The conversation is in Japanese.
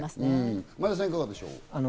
前田さん、いかがでしょう？